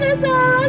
nyonya jangan rasa